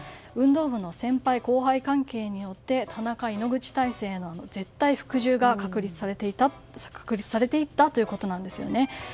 運動部の先輩・後輩関係によって田中・井ノ口体制への絶対服従が確立されていったということなんですね。